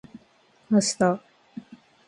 あした